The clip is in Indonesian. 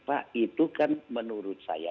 pak itu kan menurut saya